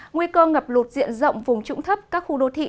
nguy cơ ngập lụt diện rộng vùng trụng thấp các khu đô thị